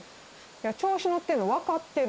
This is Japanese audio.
調子乗ってるの分かってる。